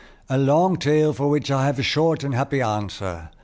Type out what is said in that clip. "A long tale, for which I have a short and happy answer.